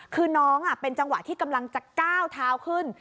คือน้องเป็นจังหวะที่กำลังจะก้าวเท้าขึ้น